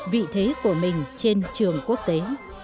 vị thế của mình trên trường quốc tế